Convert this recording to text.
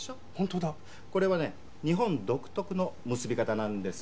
これはね日本独特の結び方なんです。